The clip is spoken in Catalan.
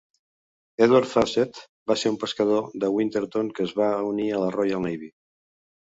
Edward Fawcett va ser un pescador de Winterton que es va unir a la Royal Navy.